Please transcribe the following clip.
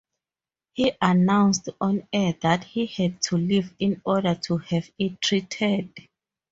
He announced on-air that he had to leave in order to have it treated.